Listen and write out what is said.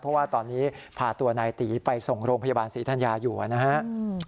เพราะว่าตอนนี้พาตัวนายตีไปส่งโรงพยาบาลศรีธัญญาอยู่นะครับ